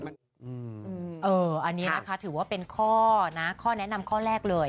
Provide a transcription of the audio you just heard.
อันนี้นะคะถือว่าเป็นข้อนะข้อแนะนำข้อแรกเลย